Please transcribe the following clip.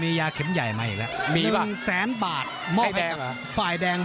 มียาเข็มใหญ่มาอีกแล้วมีป่ะหนึ่งแสนบาทให้แดงหรอฝ่ายแดง